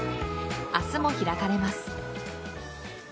明日も開かれます。